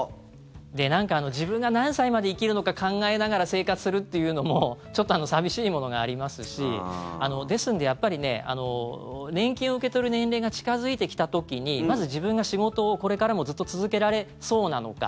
で、なんか自分が何歳まで生きるのか考えながら生活するっていうのもちょっと寂しいものがありますしですので、やっぱりね年金を受け取る年齢が近付いてきた時にまず自分が仕事をこれからもずっと続けられそうなのか。